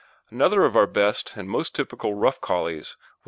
Another of our best and most typical rough Collies was Ch.